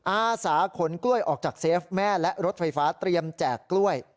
อาสาขนกล้วยออกจากเซฟแม่และรถไฟฟ้าเตรียมแจกกล้วย